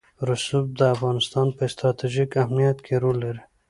رسوب د افغانستان په ستراتیژیک اهمیت کې رول لري.